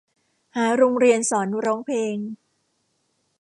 หาโรงเรียนสอนร้องเพลง